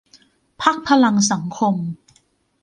พรรคพลังสังคม